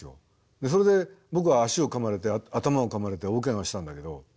それで僕は足をかまれて頭をかまれて大ケガをしたんだけど。